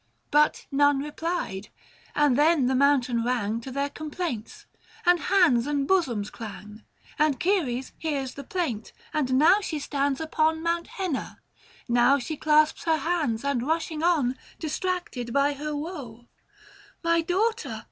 " But none replied ; and then the mountain rang 505 To their complaints, and hands and bosoms clang ; And Ceres hears the plaint ; and now she stands Upon Mount Henna ; now she clasps her hands And rushing On, distracted by her woe, " My daughter